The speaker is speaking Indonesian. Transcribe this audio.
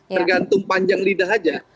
tergantung panjang lidah aja